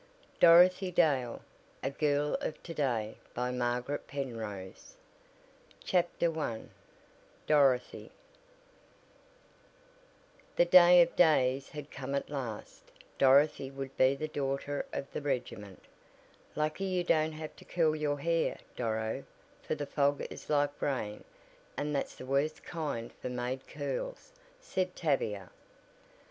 DOROTHY'S COURAGE XXVII. THE LITTLE CAPTAIN CONCLUSION CHAPTER I DOROTHY The day of days had come at last: Dorothy would be the Daughter of the Regiment. "Lucky you don't have to curl your hair, Doro, for the fog is like rain, and that's the worst kind for made curls," said Tavia.